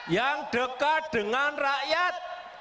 yang dekat dengan rakyat